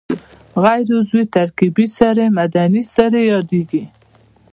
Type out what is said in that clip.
غیر عضوي ترکیبي سرې معدني سرې یادیږي.